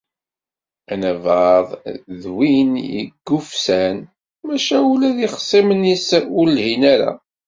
Anabaḍ d win yeggufsan, maca ula d ixṣimen-is ur lhin ara.